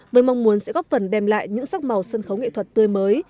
với mong muốn sẽ góp phần đem lại những sắc màu sân khấu nghệ thuật tươi mới